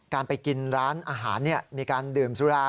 การไปกินร้านอาหารมีการดื่มสุรา